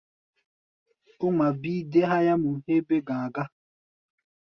Ó ŋma bíí dé háyámɔ héé bé-ga̧a̧ gá.